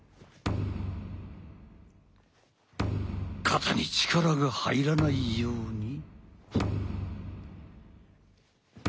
肩に力が入らないように。